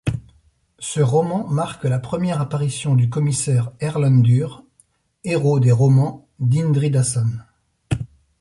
Ce roman marque la première apparition du commissaire Erlendur, héros des romans d'Indriðason.